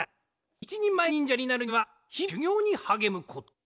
いちにんまえのにんじゃになるにはひびしゅぎょうにはげむこと。